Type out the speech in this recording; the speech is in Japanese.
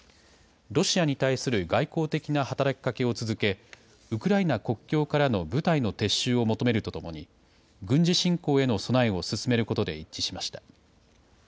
ロシアに対する外交的な働きかけを続け、ウクライナ国境からの部隊の撤収を求めるとともに、軍事侵攻への備えを進めることで一致しました。